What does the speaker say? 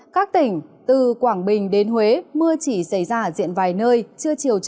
các tỉnh từ quảng bình đến huế mưa chỉ xảy ra diện vài nơi chưa chiều trời